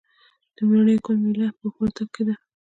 د مڼې ګل میله په وردګو کې ده.